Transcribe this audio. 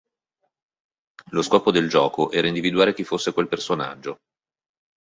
Lo scopo del gioco era indovinare chi fosse quel personaggio.